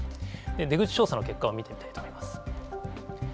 出口調査の結果を見ていきたいと思います。